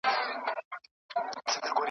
ملنګه جهاني د پاچاهانو دښمني ده .